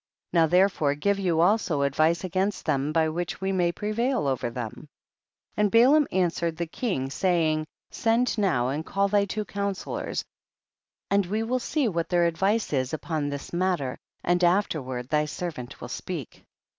22. Now therefore give you also advice against them by which we may prevail over them. 23. And Balaam answered the king, saying, send now and call thy two counsellors, and we will see what their advice is upon this matter and afterward thy servant will speak.